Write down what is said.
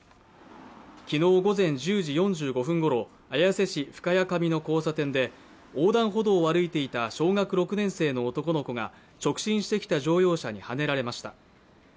昨日午前１０時４５分ごろ、綾瀬市深谷上の交差点で横断歩道を歩いていた小学６年生の男の子が直進してきた乗用車にはねられました。